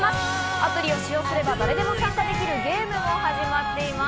アプリを使用すれば誰でも参加できるゲームも始まっています。